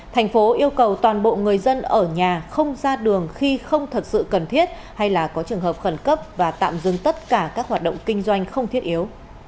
thành phố yêu cầu toàn bộ người dân ở nhà không ra đường khi không thật sự cần thiết hay là có trường hợp khẩn cấp và tạm dừng tất cả các hoạt động kinh doanh không thiết yếu